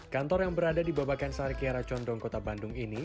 kantor yang berada di babakan sari kiara condong kota bandung ini